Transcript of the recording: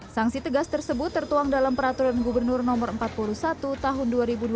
sanksi tegas tersebut tertuang dalam peraturan gubernur no empat puluh satu tahun dua ribu dua puluh